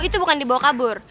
itu bukan dibawa kabur